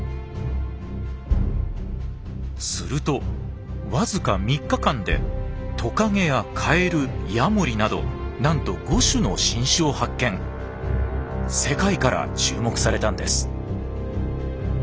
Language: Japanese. すると僅か３日間でトカゲやカエルヤモリなどなんと世界から注目されたんです。